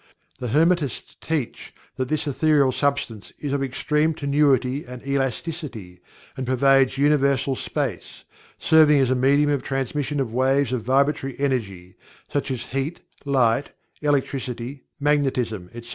The Hermetists teach that this Ethereal Substance is of extreme tenuity and elasticity, and pervades universal space, serving as a medium of transmission of waves of vibratory energy, such as heat, light, electricity, magnetism, etc.